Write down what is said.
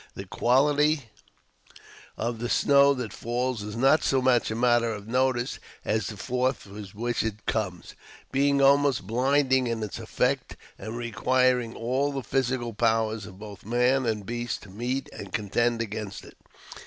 The quantity of the snow that falls is not so much a matter of notice as the force with which it comes, being almost blinding in its effects and requiring all the physical powers of both man and beast to meet and contend against it.